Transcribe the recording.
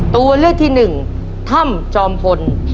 ตัวเลือกที่หนึ่งถ้ำจอมพล